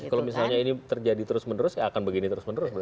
kalau misalnya ini terjadi terus menerus ya akan begini terus menerus